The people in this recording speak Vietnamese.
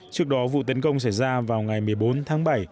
trước đó vụ tấn công xảy ra vào ngày một mươi bốn tháng bảy